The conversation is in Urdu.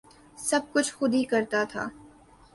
سب کچھ خود ہی کر تھا